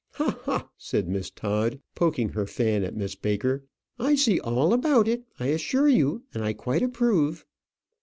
"Ha! ha!" said Miss Todd, poking her fan at Miss Baker, "I see all about it, I assure you; and I quite approve."